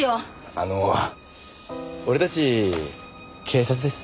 あの俺たち警察です。